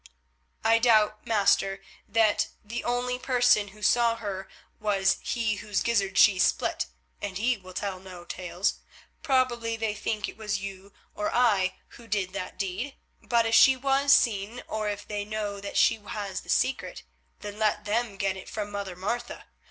"I doubt, master, that the only person who saw her was he whose gizzard she split, and he will tell no tales. Probably they think it was you or I who did that deed. But if she was seen, or if they know that she has the secret, then let them get it from Mother Martha.